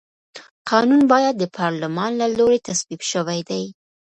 قانون باید د پارلمان له لوري تصویب شوی وي.